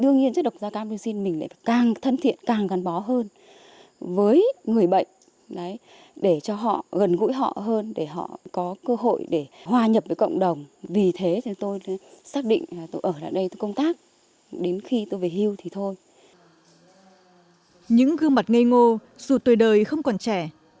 những gương mặt ngây ngô dù tuổi đời không còn trẻ